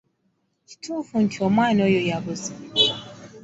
Kituufu nti omwana oyo yabuze?